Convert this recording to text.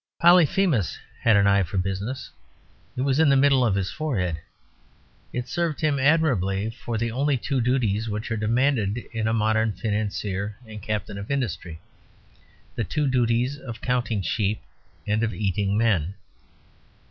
Polyphemus had an eye for business; it was in the middle of his forehead. It served him admirably for the only two duties which are demanded in a modern financier and captain of industry: the two duties of counting sheep and of eating men.